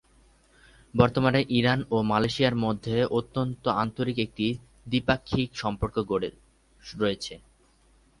বর্তমানে ইরান ও মালয়েশিয়ার মধ্যে অত্যন্ত আন্তরিক একটি দ্বিপাক্ষিক সম্পর্ক রয়েছে।